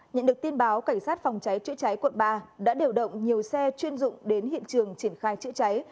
nhận được tin báo cảnh sát phòng cháy chữa cháy quận ba đã điều động nhiều xe chuyên dụng đến hiện trường triển khai chữa cháy